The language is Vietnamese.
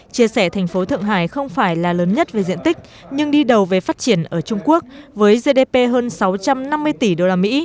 chia sẻ thành phố thượng hải không phải là lớn nhất về diện tích nhưng đi đầu về phát triển ở trung quốc với gdp hơn sáu trăm năm mươi tỷ usd